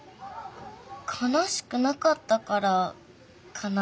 かなしくなかったからかな。